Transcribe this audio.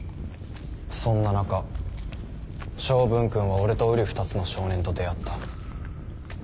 そんな中昌文君は俺とうり二つの少年と出会った。